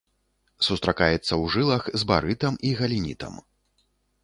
Сустракаецца ў жылах з барытам і галенітам.